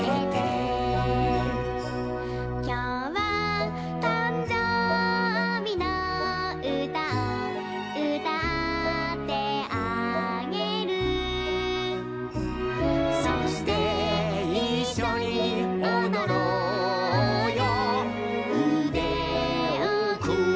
「きょうはたんじょうびのうたをうたってあげる」「そしていっしょにおどろうようでをくんで、、、」